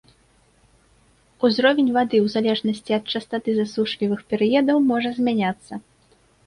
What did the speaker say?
Узровень вады ў залежнасці ад частаты засушлівых перыядаў можа змяняцца.